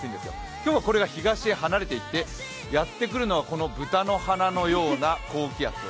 今日はこれが東へ離れていって、やってくるのは豚の鼻のような高気圧。